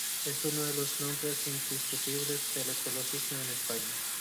Es uno de los nombres indiscutibles del ecologismo en España.